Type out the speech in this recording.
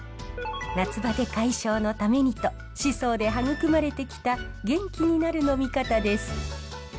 夏バテ解消のためにと宍粟で育まれてきた元気になる飲み方です。